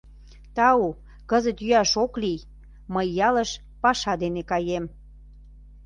Тау, кызыт йӱаш ок лий — мый ялыш паша дене каем...